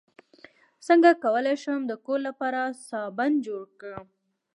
څنګه کولی شم د کور لپاره صابن جوړ کړم